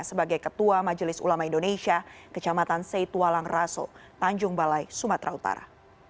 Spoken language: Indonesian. sebagai ketua majelis ulama indonesia kecamatan seitualang raso tanjung balai sumatera utara